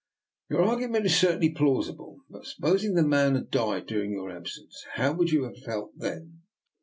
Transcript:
" Your argument is certainly plausible; but supposing the man had died during your absence? How would you have felt then?